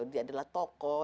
dia adalah tokoh